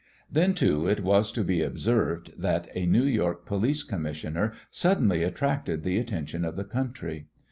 Then, too, it was to be observed that a New York police commissioner suddenly attracted the attention of the country.